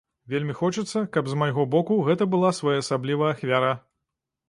Вельмі хочацца, каб з майго боку гэта была своеасаблівая ахвяра.